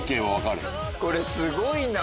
これすごいな